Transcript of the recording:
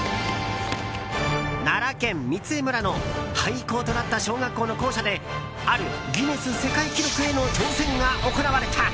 奈良県御杖村の廃校となった小学校の校舎であるギネス世界記録への挑戦が行われた。